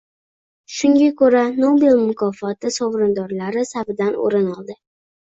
Shunga ko‘ra, Nobel mukofoti sovrindorlari safidan o‘rin oldi